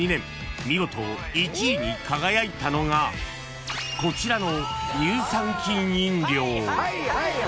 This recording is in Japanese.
見事１位に輝いたのがこちらの乳酸菌飲料］